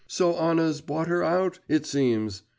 … 'So Anna's bought her out, it seems!